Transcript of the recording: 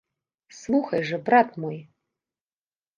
Слухай жа, брат мой!